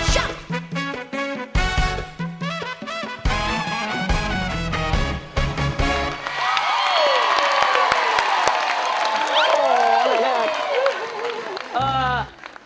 โอ้มัธนากลายแม่มา